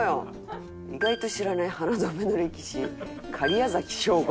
「意外と知らない花留めの歴史」「假屋崎省吾」